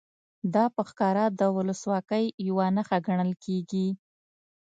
دا په ښکاره د ولسواکۍ یوه نښه ګڼل کېږي.